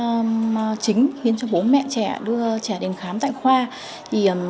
lát là một trong những nguyên nhân chính khiến bố mẹ trẻ đưa trẻ đến khám tại khoa